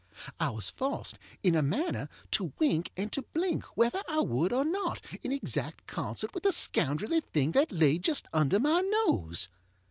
I was forced, in a manner, to wink and to blink, whether I would or not, in exact concert with the scoundrelly thing that lay just under my nose.